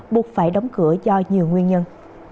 buộc phải đóng cửa do nhiều nguyên nhân